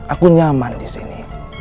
aku nyaman di sini